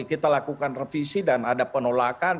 kita lakukan revisi dan ada penolakan